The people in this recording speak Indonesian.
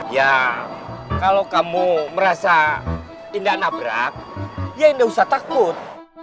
ya kalau kamu merasa tidak nabrak ya tidak usah takut